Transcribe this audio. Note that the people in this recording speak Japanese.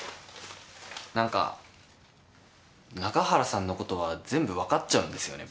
何か中原さんのことは全部分かっちゃうんですよね